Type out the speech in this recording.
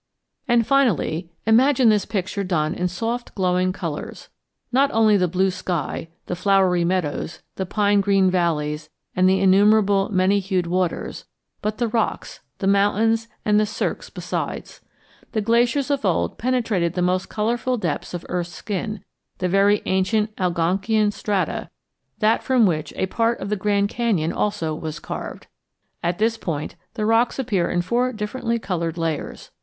And finally imagine this picture done in soft glowing colors not only the blue sky, the flowery meadows, the pine green valleys, and the innumerable many hued waters, but the rocks, the mountains, and the cirques besides. The glaciers of old penetrated the most colorful depths of earth's skin, the very ancient Algonkian strata, that from which a part of the Grand Canyon also was carved. At this point, the rocks appear in four differently colored layers.